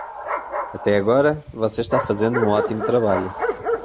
Até agora você está fazendo um ótimo trabalho.